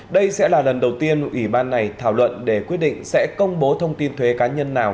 đây sẽ là lần đầu tiên ủy ban này thảo luận để quyết định sẽ công bố thông tin thuế cá nhân nào